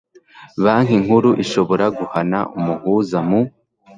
Banki Nkuru ishobora guhana umuhuza mu